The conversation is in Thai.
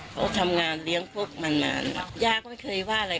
เขาทำงานเลี้ยงพวกมันนานแล้วย่าก็ไม่เคยว่าอะไร